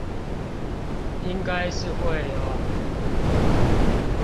應該是會呦